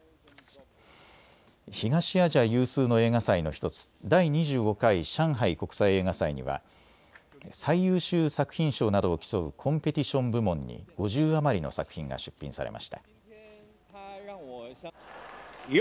東アジア有数の映画祭の１つ、第２５回上海国際映画祭には最優秀作品賞などを競うコンペティション部門に５０余りの作品が出品されました。